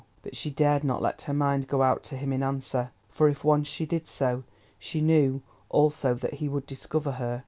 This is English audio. But she dared not let her mind go out to him in answer, for, if once she did so, she knew also that he would discover her.